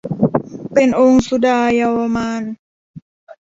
เป็นองค์สุดาเยาวมาลย์